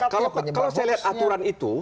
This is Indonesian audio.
kalau saya lihat aturan itu